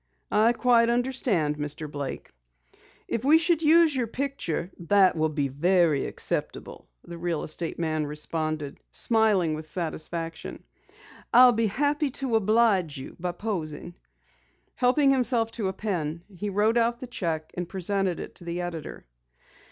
"I quite understand, Mr. Blake. If we should use your picture " "That will be very acceptable," the real estate man responded, smiling with satisfaction. "I'll be happy to oblige you by posing." Helping himself to a pen, he wrote out the cheque and presented it to the editor.